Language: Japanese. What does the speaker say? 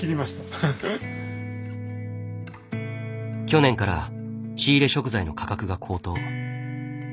去年から仕入れ食材の価格が高騰。